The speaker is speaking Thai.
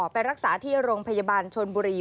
ไปรักษาที่โรงพยาบาลชนบุรี